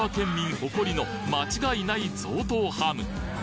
誇りの間違いない贈答ハム！